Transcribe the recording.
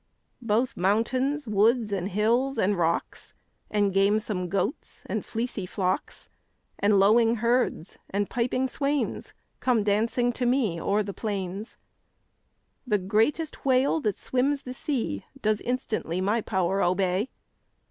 Both mountains, woods, and hills, and rocks And gamesome goats, and fleecy flocks, And lowing herds, and piping swains, Come dancing to me o'er the plains. The greatest whale that swims the sea Does instantly my power obey.